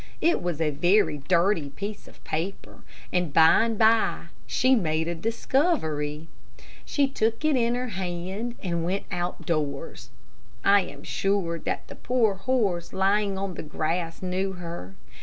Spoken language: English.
It was a very dirty piece of paper, but by and by she made a discovery. She took it in her hand and went out doors. I am sure that the poor horse lying on the grass knew her.